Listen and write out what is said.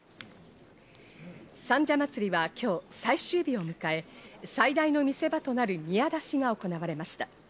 三社祭は今日最終日を迎え、最大の見せ場となる宮出しが行われました。